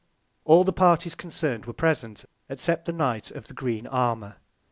All the Parties concern'd were present, except the Knight of the Green Armour.